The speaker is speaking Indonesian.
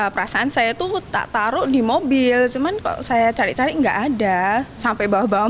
perasaan saya tuh tak taruh di mobil cuman kalau saya cari cari enggak ada sampai bawah bawah